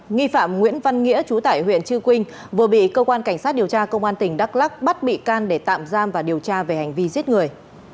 nghi phạm nguyễn văn nghĩa chú tải huyện chư quynh vừa bị cơ quan cảnh sát điều tra công an tỉnh đắk lắc bắt bị can để tạm giam và điều tra về hành vi giết người